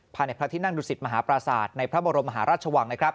พาในพระที่นั่งดุศิษฐ์มหาประศาจในพระบรมราชวัง